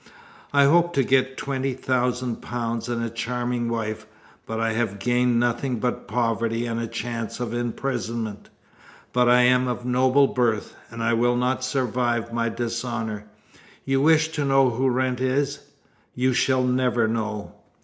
I hoped to get twenty thousand pounds and a charming wife; but I have gained nothing but poverty and a chance of imprisonment; but I am of noble birth, and I will not survive my dishonour. You wish to know who Wrent is you shall never know."